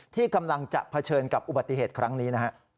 ที่กำลังจะเผชิญกับอุบัติเหตุครั้งนี้นะฮะ